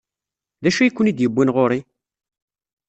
D acu ay ken-id-yewwin ɣer-i?